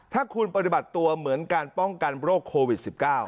ถ้าคุณปฏิบัติตัวเหมือนการป้องกันโรคโควิด๑๙